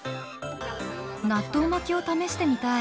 納豆巻きを試してみたい。